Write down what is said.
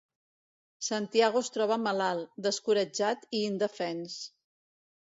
Santiago es troba malalt, descoratjat i indefens.